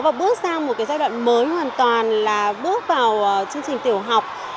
và bước sang một cái giai đoạn mới hoàn toàn là bước vào chương trình tiểu học